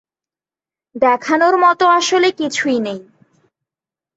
দেখানোর মতো আসলে কিছুই নেই।